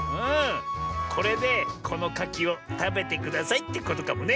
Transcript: これでこのかきをたべてくださいってことかもね。